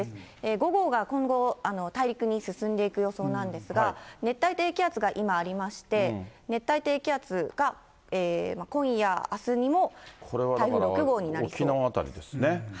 ５号が今後、大陸に進んでいく予想なんですが、熱帯低気圧が今ありまして、熱帯低気圧が、今夜、これは沖縄辺りですね。